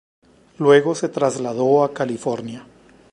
Luego se trasladó a California.